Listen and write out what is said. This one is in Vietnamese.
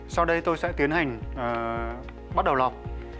sau đây tôi sẽ tiến hành bắt đầu lọc